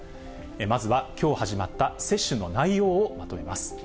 まずはきょう始まった接種の内容をまとめます。